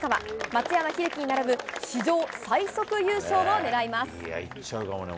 松山英樹に並ぶ史上最速優勝を狙います。